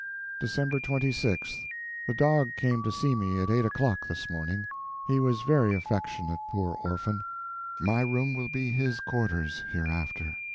DECEMBER 26TH. The dog came to see me at eight o'clock this morning. He was very affectionate, poor orphan! My room will be his quarters hereafter.